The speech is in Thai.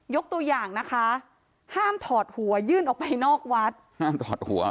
ยกตัวอย่างนะคะห้ามถอดหัวยื่นออกไปนอกวัดห้ามถอดหัว